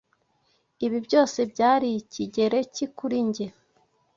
Ibi byose byari Ikigereki kuri njye.